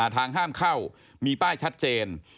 ห้ามเข้ามีป้ายชัดเจน